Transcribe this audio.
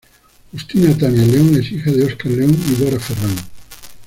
Justina Tania León es hija de Oscar León y Dora Ferrán.